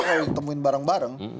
kalau ditemuin bareng bareng